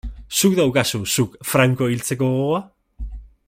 Zuk daukazu, zuk, Franco hiltzeko gogoa?